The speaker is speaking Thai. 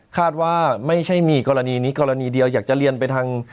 คาดว่าไม่ใช่มีกรณีนี้กรณีเดียวอยากจะเรียนไปทาง